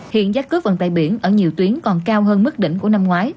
hiện giá cước vận tải biển ở nhiều tuyến còn cao hơn mức đỉnh của năm ngoái